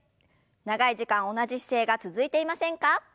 長い時間同じ姿勢が続いていませんか？